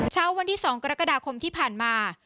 เช้าวันที่๒กรกฎาคมที่ผ่านมา